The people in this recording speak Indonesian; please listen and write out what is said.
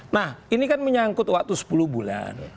nah ini kan menyangkut waktu sepuluh bulan